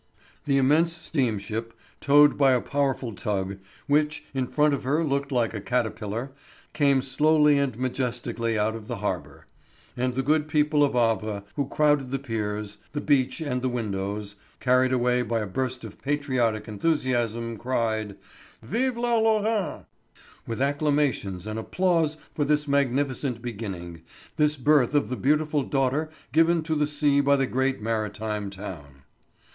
The immense steamship, towed by a powerful tug, which, in front of her, looked like a caterpillar, came slowly and majestically out of the harbour. And the good people of Havre, who crowded the piers, the beach, and the windows, carried away by a burst of patriotic enthusiasm, cried: "Vive la Lorraine!" with acclamations and applause for this magnificent beginning, this birth of the beautiful daughter given to the sea by the great maritime town.